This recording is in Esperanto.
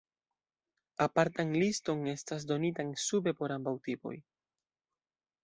Apartan liston estas donitan sube por ambaŭ tipoj.